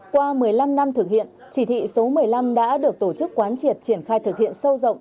qua một mươi năm năm thực hiện chỉ thị số một mươi năm đã được tổ chức quán triệt triển khai thực hiện sâu rộng